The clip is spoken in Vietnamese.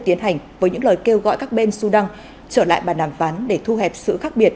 tiến hành với những lời kêu gọi các bên sudan trở lại bàn đàm phán để thu hẹp sự khác biệt